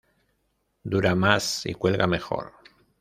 Dura más y cuelga mejor.